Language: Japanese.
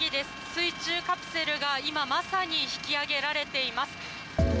水中カプセルが今まさに引き揚げられています。